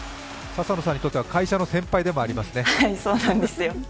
笹野さんにとっては会社の先輩でもありますね。